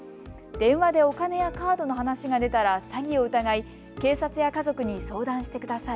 電話でお金やカードの話が出たら詐欺を疑い警察や家族に相談してください。